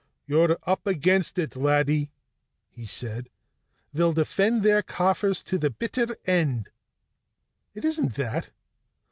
"You're up against it, laddie," he said. "They'll defend their coffers to the bitter end." "It isn't that."